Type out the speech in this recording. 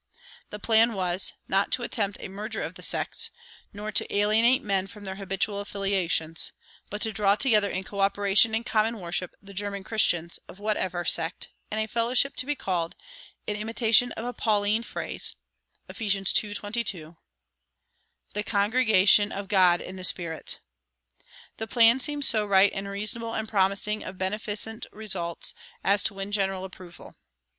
The plan was, not to attempt a merger of the sects, nor to alienate men from their habitual affiliations, but to draw together in coöperation and common worship the German Christians, of whatever sect, in a fellowship to be called, in imitation of a Pauline phrase (Eph. ii. 22), "the Congregation of God in the Spirit." The plan seemed so right and reasonable and promising of beneficent results as to win general approval.